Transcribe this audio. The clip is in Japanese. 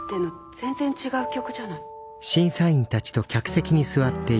全然違う曲じゃない。